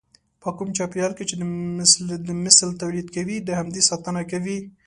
په کوم چاپېريال کې چې د مثل توليد کوي د همدې ساتنه کوي.